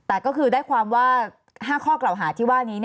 แต่ก็คือได้ความว่า๕ข้อกล่าวหาที่ว่านี้